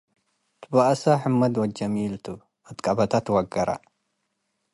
ትበአሳ ሕመድ ወድ ጀሚልቱ - እት ቀበታ ትወገረ